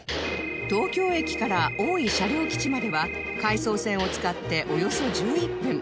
東京駅から大井車両基地までは回送線を使っておよそ１１分